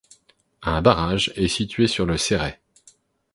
Un barrage est situé sur le Céret.